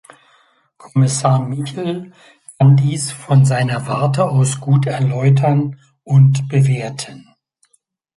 Kommissar Michel kann dies von seiner Warte aus gut erläutern und bewerten.